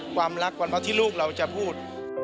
ความรักความรักที่ลูกเราจะพูด